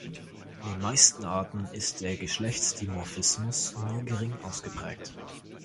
Bei den meisten Arten ist der Geschlechtsdimorphismus nur gering ausgeprägt.